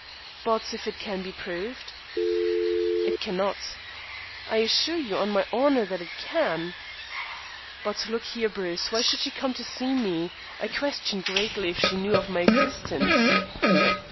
"But if it can be proved?" "It cannot." "I assure you, on my honor, that it can." "But look here, Bruce. Why should she come to see me? I question greatly if she knew of my existence."